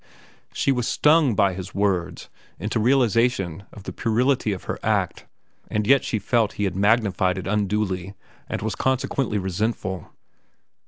She was stung by his words into realization of the puerility of her act, and yet she felt that he had magnified it unduly and was consequently resentful.